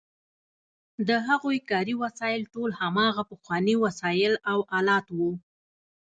د هغوی کاري وسایل ټول هماغه پخواني وسایل او آلات وو.